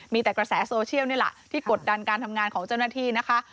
มีแต่กระแสโซเชียลนี่แหละที่กดดันการทำงานของเจ้าหน้าที่นะคะ